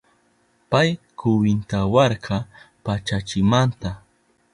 Pay kwintawarka pachachimanta